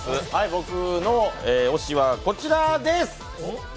僕の推しはこちらです。